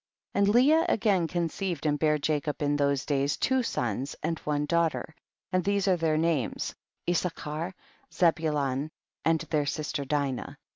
18. And Leah again conceived and bare Jacob in those days two sons and one daughter, and these are their names, Issachar, Zebulon, and their sister Dinah.